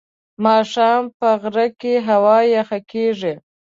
ماښام په غره کې هوا یخه کېږي.